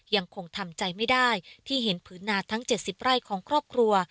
ยังคงทำใจไม่ได้ที่เห็นผืนนาทั้ง๗๐ไร่ของครอบครัว